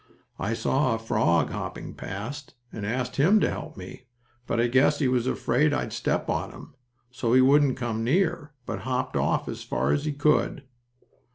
I saw a frog hopping past, and I asked him to help me, but I guess he was afraid I'd step on him, so he wouldn't come near, but hopped off as far as he could."